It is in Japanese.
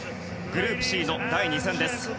グループＣの第２戦です。